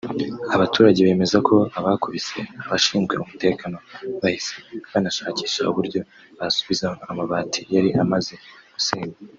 Abaturage bemeza ko abakubise abashinzwe umutekano bahise banashakisha uburyo basubizaho amabati yari amaze gusenywa